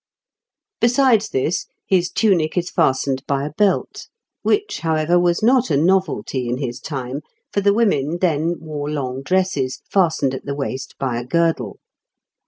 Besides this, his tunic is fastened by a belt; which, however, was not a novelty in his time, for the women then wore long dresses, fastened at the waist by a girdle.